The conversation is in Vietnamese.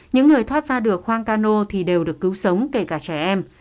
những người thoát ra được khoang cano thì đều được cứu sống kể cả trẻ em